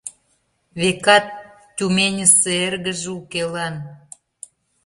Векат, Тюменьысе эргыже укелан.